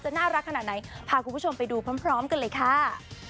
น่ารักขนาดไหนพาคุณผู้ชมไปดูพร้อมกันเลยค่ะ